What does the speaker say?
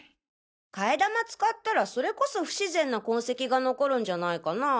替え玉使ったらそれこそ不自然な痕跡が残るんじゃないかなぁ？